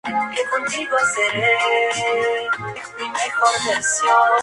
En su gobierno tuvo varios cambios en el Ministerio de Justicia y Seguridad.